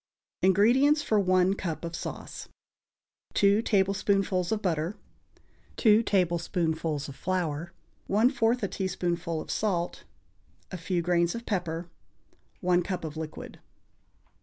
INGREDIENTS FOR ONE CUP OF SAUCE. 2 tablespoonfuls of butter. 2 tablespoonfuls of flour. 1/4 a teaspoonful of salt. A few grains of pepper. 1 cup of liquid.